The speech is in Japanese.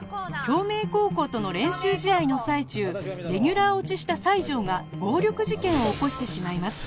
京明高校との練習試合の最中レギュラー落ちした西条が暴力事件を起こしてしまいます